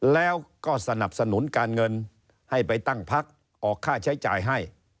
แล้วก็สนับสนุนการเงินให้ไปตั้งพักออกค่าใช้จ่ายให้